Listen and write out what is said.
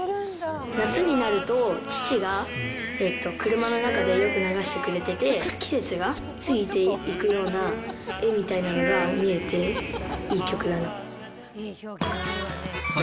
夏になると、父が車の中でよく流してくれてて、季節が過ぎていくような絵みたいなのが見えて、いい曲だなと。